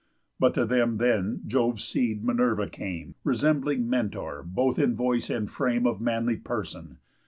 But to them then Jove's seed, Minerva, came, Resembling Mentor both in voice and frame Of manly person.